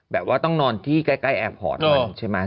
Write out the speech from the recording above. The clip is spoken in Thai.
แบบว่าต้องนอนที่ใกล้แอบหอดมันใช่ไหม